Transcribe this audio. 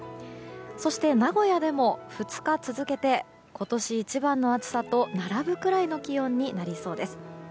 そして、名古屋でも２日続けて今年一番の暑さと並ぶくらいの気温になりそうです。